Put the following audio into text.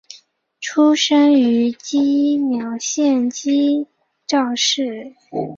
出身于岐阜县岐阜市。